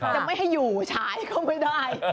จะไม่ให้อยู่ฉายก็ไม่ได้